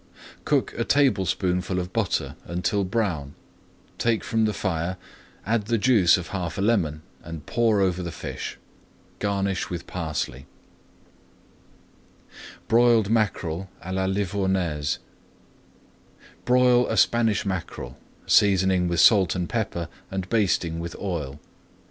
Cook a tablespoonful of butter until brown, take from the fire, add the juice of half a lemon, and pour over the fish. Garnish with parsley. [Page 211] BROILED MACKEREL À LA LIVOURNAISE Broil a Spanish mackerel, seasoning with salt and pepper, and basting with oil.